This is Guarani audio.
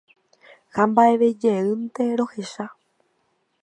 Ha mba'evejeýnte rohecha.